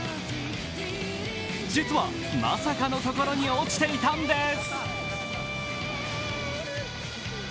実は、まさかの所に落ちていたんです。